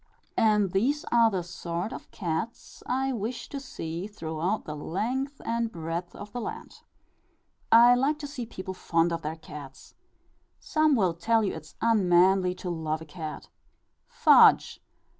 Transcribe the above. And these are the sort of cats I wish to see throughout the length and breadth of the land. I like to see people fond of their cats. Some will tell you it is unmanly to love a cat. Fudge!